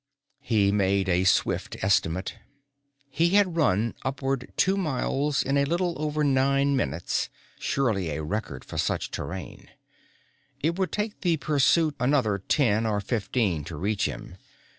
He made a swift estimate. He had run the upward two miles in a little over nine minutes, surely a record for such terrain. It would take the pursuit another ten or fifteen to reach him.